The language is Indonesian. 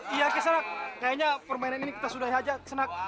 iya keserak kayaknya permainan ini kita sudahi aja keserak